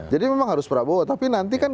jadi memang harus prabowo tapi nanti kan